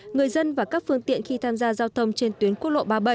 người dân và các phương tiện khi tham gia giao thông trên tuyến quốc lộ ba mươi bảy